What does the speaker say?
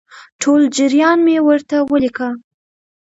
ټول جریان مې ورته ولیکه.